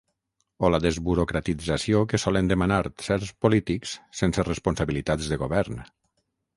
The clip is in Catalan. O la desburocratització que solen demanar certs polítics sense responsabilitats de govern.